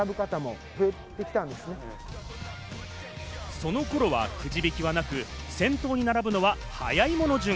その頃は、くじ引きはなく、先頭に並ぶのは早い者順。